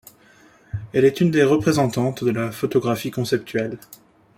Elle est une des représentantes de la photographie conceptuelle.